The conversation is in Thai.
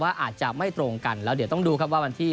อาจจะไม่ตรงกันแล้วเดี๋ยวต้องดูครับว่าวันที่